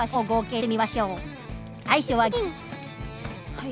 はい。